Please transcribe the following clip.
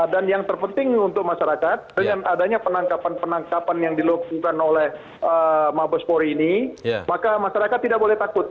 dan yang terpenting untuk masyarakat dengan adanya penangkapan penangkapan yang dilakukan oleh mabespor ini maka masyarakat tidak boleh takut